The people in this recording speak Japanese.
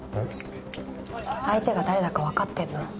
相手が誰だかわかってんの？